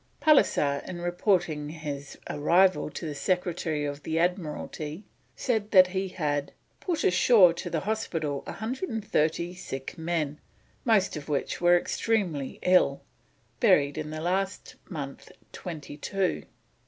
Pallisser, in reporting his arrival to the Secretary of the Admiralty, said that he had: "put ashore to the hospital 130 sick men, most of which are extremely ill: buried in the last month twenty two.